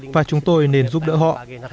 và chúng tôi nên giúp đỡ họ